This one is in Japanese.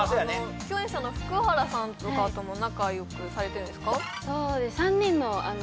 共演者の福原さんとかとも仲よくされてるんですか